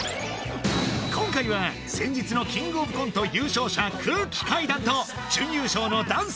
今回は先日のキングオブコント優勝者空気階段と準優勝の男性